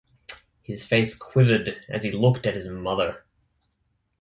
His face quivered as he looked at his mother.